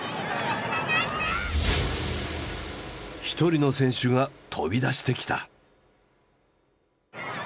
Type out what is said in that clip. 一人の選手が飛び出してきた。